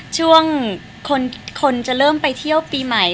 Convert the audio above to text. ช่วงคนจะเริ่มไปเที่ยวปีใหม่